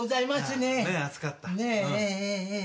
ねっ暑かった。